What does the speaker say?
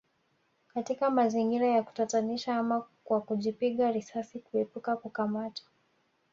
Katika mazingira ya kutatanisha ama kwa kujipiga risasi kuepuka kukamatwa